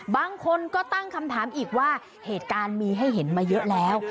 บางคนก็ตั้งคำถามอีกว่าเหตุการณ์มีให้เห็นมาเยอะแล้ว